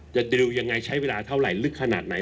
ติวยังไงใช้เวลาเท่าไหร่ลึกขนาดไหน